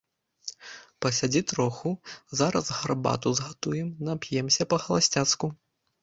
Пасядзі троху, зараз гарбату згатуем, нап'ёмся па-халасцяцку.